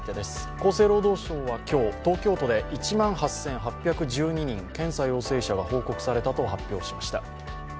厚生労働省は今日、東京都で１万８８１２人、検査陽性者が報告されたと発表しました。